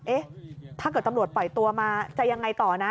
เอ๊ะถ้าเกิดตำรวจปล่อยตัวมาจะยังไงต่อนะ